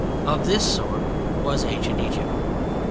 Of this sort was ancient Egypt.